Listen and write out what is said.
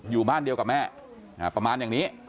อยู่บ้านเดียวกับแม่ประมาณอย่างนี้